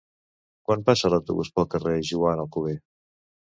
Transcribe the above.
Quan passa l'autobús pel carrer Joan Alcover?